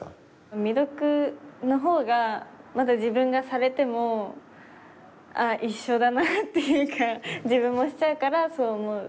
未読の方がまだ自分がされてもああ一緒だなっていうか自分もしちゃうからそう思う。